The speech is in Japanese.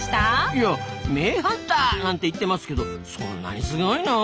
いや名ハンターなんて言ってますけどそんなにすごいの？